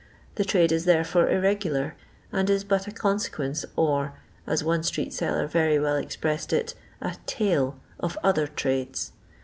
The trade is, therefore, irregular, and is but a consequence, or — as one street seller very well expressed it — ^a " tail " of other trades.